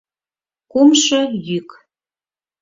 Кумшо йӱк.